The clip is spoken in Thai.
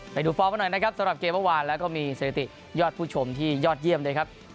ฟอร์มกันหน่อยนะครับสำหรับเกมเมื่อวานแล้วก็มีสถิติยอดผู้ชมที่ยอดเยี่ยมด้วยครับ